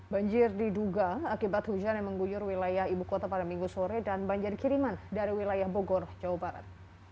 banjir diduga akibat hujan yang mengguyur wilayah ibu kota pada minggu sore dan banjir kiriman dari wilayah bogor jawa barat